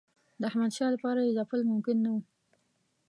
د احمدشاه لپاره یې ځپل ممکن نه وو.